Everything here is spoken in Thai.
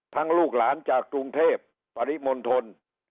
ทั้งลูกหลานกันจากกรุงเทพฯปริมณฑน